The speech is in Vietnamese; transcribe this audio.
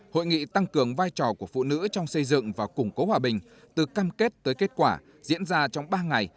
hội nghị tăng cường vai trò của phụ nữ trong xây dựng và củng cố hòa bình từ cam kết tới kết quả diễn ra trong ba ngày